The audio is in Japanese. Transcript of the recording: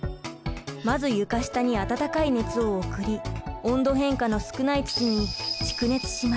まず床下に暖かい熱を送り温度変化の少ない土に蓄熱します。